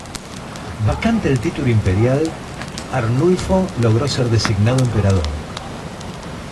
Vacante el título imperial, Arnulfo logró ser designado emperador.